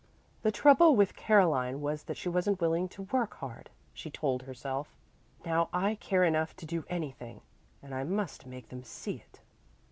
"The trouble with Caroline was that she wasn't willing to work hard," she told herself. "Now I care enough to do anything, and I must make them see it."